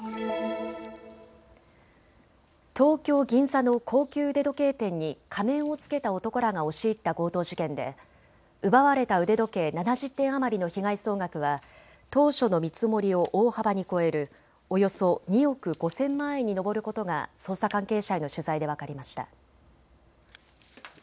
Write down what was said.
東京銀座の高級腕時計店に仮面を着けた男らが押し入った強盗事件で奪われた腕時計７０点余りの被害総額は当初の見積もりを大幅に超えるおよそ２億５０００万円に上ることが捜査関係者への取材で分かりました。